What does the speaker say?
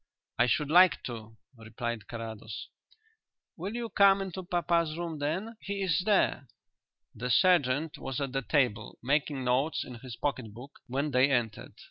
"I should like to," replied Carrados. "Will you come into papa's room then? He is there." The sergeant was at the table, making notes in his pocket book, when they entered.